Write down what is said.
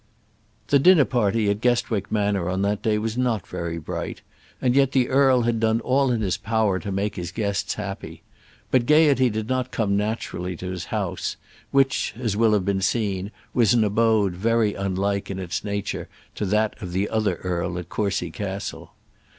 The dinner party at Guestwick Manor on that day was not very bright, and yet the earl had done all in his power to make his guests happy. But gaiety did not come naturally to his house, which, as will have been seen, was an abode very unlike in its nature to that of the other earl at Courcy Castle.